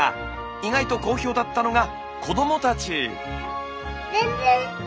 意外と好評だったのが子どもたち。